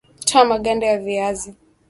Toa maganda ya viazi